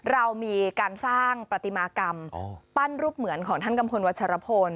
เรามีการสร้างปฏิมากรรมปั้นรูปเหมือนของท่านกัมพลวัชรพล